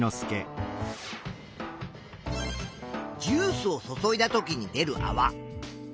ジュースを注いだときに出るあわ。